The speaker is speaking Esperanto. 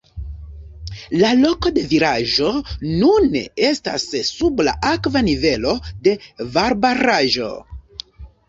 La loko de vilaĝo nune estas sub la akva nivelo de valbaraĵo.